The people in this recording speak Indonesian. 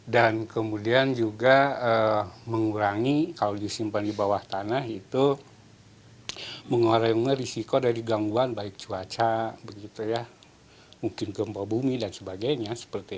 dan kemudian juga mengurangi kalau disimpan di bawah tanah itu mengurangi risiko dari gangguan baik cuaca mungkin gempa bumi dan sebagainya